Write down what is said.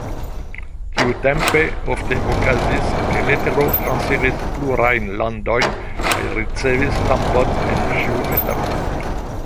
Tiutempe ofte okazis, ke letero transiris plurajn landojn kaj ricevis stampon en ĉiu etapo.